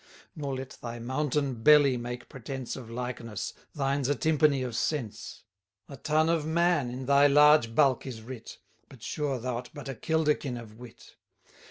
Nor let thy mountain belly make pretence Of likeness; thine's a tympany of sense. A tun of man in thy large bulk is writ, But sure thou'rt but a kilderkin of wit.